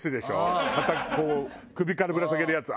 首からぶら下げるやつ。